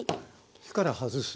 火から外す。